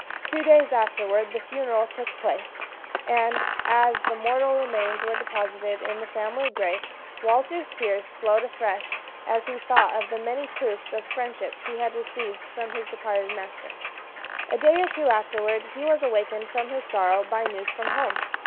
Two days afterward the funeral took place; and as the mortal remains were deposited in the family grave, Walter's tears flowed afresh as he thought of the many proofs of friendship he had received from his departed master. A day or two afterward he was awakened from his sorrow by news from home.